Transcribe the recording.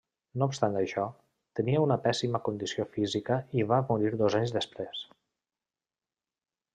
No obstant això, tenia una pèssima condició física i va morir dos anys després.